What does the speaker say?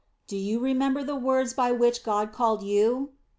Do you remember the words by which God called you?"